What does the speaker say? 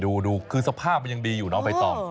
นี่ดูคือสภาพมันยังดีอยู่เนาะไปต่อ